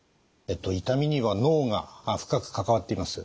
痛みには脳が深く関わっています。